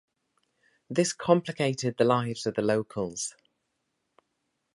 This complicated the lives of locals.